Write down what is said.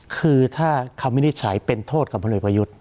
คือถ้าคำวินิจฉัยเป็นโทษกับพลเอกประยุทธ์